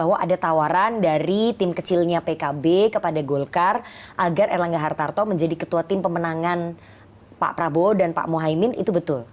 bahwa ada tawaran dari tim kecilnya pkb kepada golkar agar erlangga hartarto menjadi ketua tim pemenangan pak prabowo dan pak muhaymin itu betul